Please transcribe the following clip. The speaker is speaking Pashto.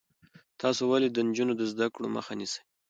تاسو ولې د نجونو د زده کړو مخه نیسئ؟